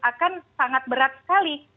akan sangat berat sekali